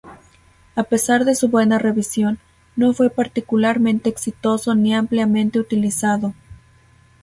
A pesar de su buena revisión, no fue particularmente exitoso ni ampliamente utilizado.